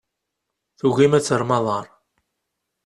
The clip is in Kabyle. Tugim ad terrem aḍar.